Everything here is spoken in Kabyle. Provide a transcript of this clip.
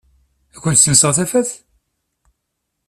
Ad kent-senseɣ tafat?